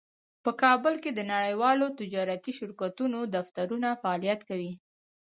په کابل کې د نړیوالو تجارتي شرکتونو دفترونه فعالیت کوي